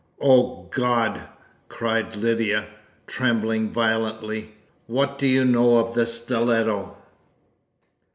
"Oh, God!" cried Lydia, trembling violently. "What do you know of the stiletto?"